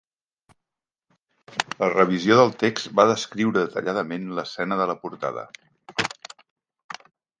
La revisió del text va descriure detalladament l'escena de la portada.